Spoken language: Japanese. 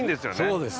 そうです